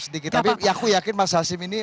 sedikit tapi aku yakin mas hashim ini